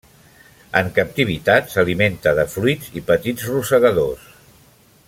En captivitat, s'alimenta de fruits i petits rosegadors.